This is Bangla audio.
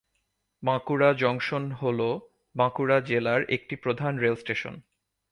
বাঁকুড়া জংশন হল বাঁকুড়া জেলার একটি প্রধান রেল স্টেশন।